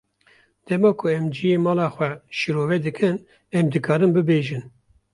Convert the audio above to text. Dema ku em cihê mala xwe şîrove dikin, em dikarin bibêjin.